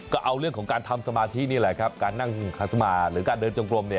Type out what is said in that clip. ก็เอาเรื่องของการทำสมาธินี่แหละครับการนั่งขัดสมาหรือการเดินจงกลม